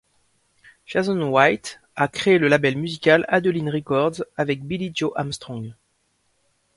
Jason White a créé le label musical Adeline Records avec Billie Joe Armstrong.